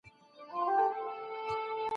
انلاين تدريس زده کوونکو ته د وخت انعطاف ورکړ.